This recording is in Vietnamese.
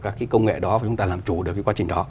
các cái công nghệ đó chúng ta làm chủ được cái quá trình đó